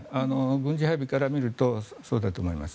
軍事配備から見るとそうだと思います。